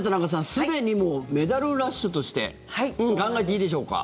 すでにもうメダルラッシュとして考えていいでしょうか？